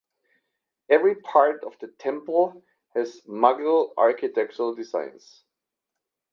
Every part of the temple has Mughal architectural designs.